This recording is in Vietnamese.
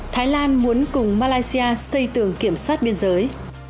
thái lan muốn cùng malaysia xây tường kiểm soát biên giới